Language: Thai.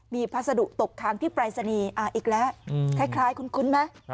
มีพัสดุตกค้างที่ปรายศนีย์อีกแล้วคล้ายคุ้นไหม